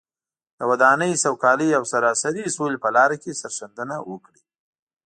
د ودانۍ، سوکالۍ او سراسري سولې په لاره کې سرښندنه وکړي.